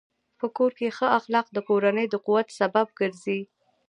په کور کې ښه اخلاق د کورنۍ د قوت سبب ګرځي.